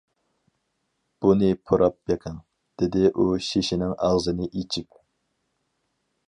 «بۇنى پۇراپ بېقىڭ» دېدى ئۇ شېشىنىڭ ئاغزىنى ئېچىپ.